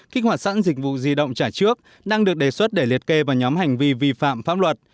kích hoạt sẵn dịch vụ di động trả trước đang được đề xuất để liệt kê vào nhóm hành vi vi phạm pháp luật